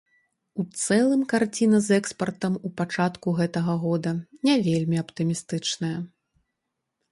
У цэлым карціна з экспартам у пачатку гэтага года не вельмі аптымістычная.